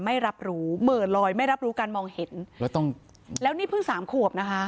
ไม่รับรู้เหม่อลอยไม่รับรู้การมองเห็นแล้วต้องแล้วนี่เพิ่งสามขวบนะคะ